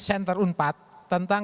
senter unpad tentang